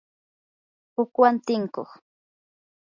hukwan tinkuq